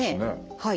はい。